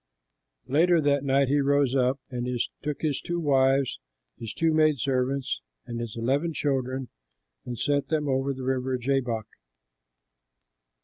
Later that night he rose up and took his two wives, his two maid servants, and his eleven children, and sent them over the river Jabbok.